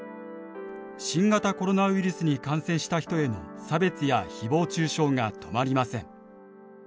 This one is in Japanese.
新型コロナウイルスに感染した人への差別やひぼう中傷が止まりません。